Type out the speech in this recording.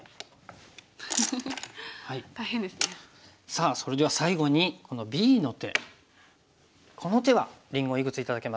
さあそれでは最後にこのＢの手この手はりんごいくつ頂けますか？